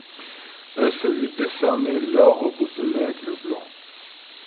Elle s'est vu décerner l'Ordre de L'Aigle blanc.